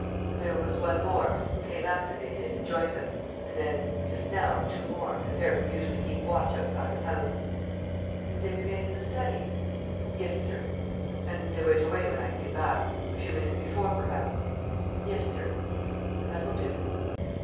"There was one more, who came after they did and joined them ... and then, just now, two more, the pair who usually keep watch outside the house." "Did they remain in the study?" "Yes, sir." "And they went away when I came back? A few minutes before, perhaps?" "Yes, sir." "That will do."